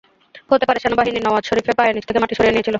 হতে পারে, সেনাবাহিনী নওয়াজ শরিফের পায়ের নিচ থেকে মাটি সরিয়ে নিয়েছিল।